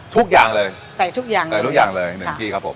ทุกอย่างเลยใส่ทุกอย่างเลยใส่ทุกอย่างเลยหนึ่งที่ครับผม